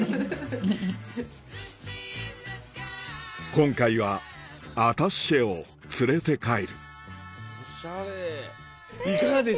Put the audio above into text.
今回はアタッシェを連れて帰るいかがでした？